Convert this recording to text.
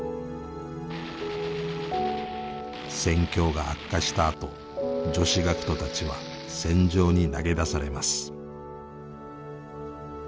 戦況が悪化したあと女子学徒たちは戦場に投げ出されます。